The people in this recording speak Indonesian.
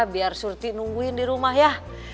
biar surti nungguin di rumah ya